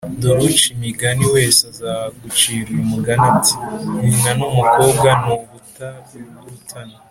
Dore uca imigani wese azagucira uyu mugani ati: Nyina n’umukobwa ni ubutarutana